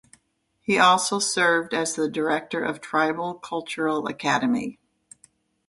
He also served as the director of Tribal Cultural Academy.